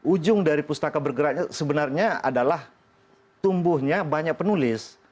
ujung dari pustaka bergeraknya sebenarnya adalah tumbuhnya banyak penulis